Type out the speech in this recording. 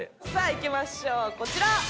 いきましょうこちら。